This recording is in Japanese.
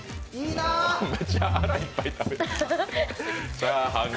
めちゃ腹いっぱい食べてる。